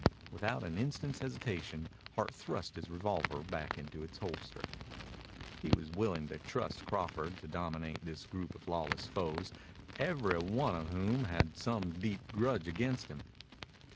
Without an instant's hesitation Hart thrust his revolver back into its holster. He was willing to trust Crawford to dominate this group of lawless foes, every one of whom held some deep grudge against him.